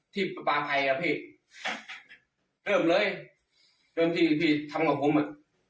ที่บ้านไพครับพี่เริ่มเลยตัำแบบคุณพ่อกอมมื้อ